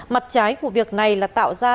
mặt trái của việc này là tạo ra